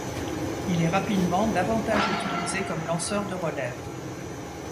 Il est rapidement davantage utilisé comme lanceur de relève.